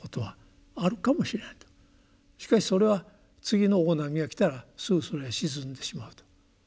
しかしそれは次の大波が来たらすぐそれは沈んでしまうと。